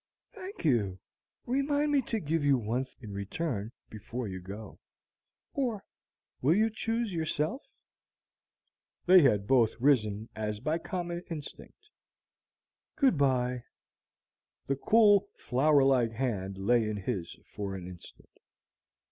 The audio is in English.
"Thank you. Remind me to give you one in return before you go, or will you choose yourself?" They had both risen as by a common instinct. "Good by." The cool flower like hand lay in his for an instant.